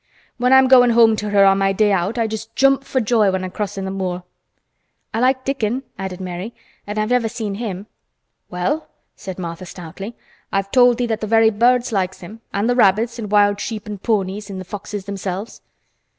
When I'm goin' home to her on my day out I just jump for joy when I'm crossin' the moor." "I like Dickon," added Mary. "And I've never seen him." "Well," said Martha stoutly, "I've told thee that th' very birds likes him an' th' rabbits an' wild sheep an' ponies, an' th' foxes themselves.